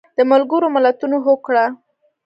د ملګرو ملتونو هوکړه